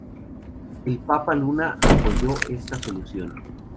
El Papa Luna apoyó esta solución.